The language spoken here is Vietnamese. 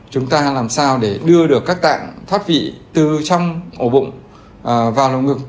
chúng ta làm sao để đưa được các tạng thoát vị từ trong ổ bụng vào lồng ngực